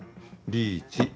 リーチ。